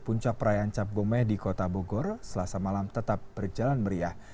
puncak perayaan cap gomeh di kota bogor selasa malam tetap berjalan meriah